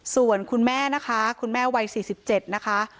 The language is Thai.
ส่วนคุณแม่นะคะคุณแม่วัย๔๗นะคะ